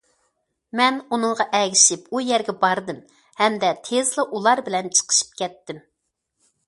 مەن ئۇنىڭغا ئەگىشىپ ئۇ يەرگە باردىم ھەمدە تېزلا ئۇلار بىلەن چىقىشىپ كەتتىم.